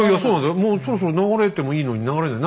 もうそろそろ流れてもいいのに流れない。